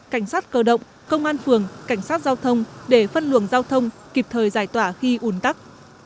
cảnh sát cơ động công an phường cảnh sát giao thông để phân luồng giao thông kịp thời giải tỏa khi ủn tắc